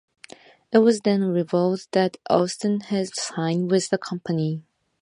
It was then revealed that Austin had signed with the company.